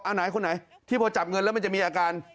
เอาไหนคนไหนที่พอจับเงินแล้วมันจะมีอาการ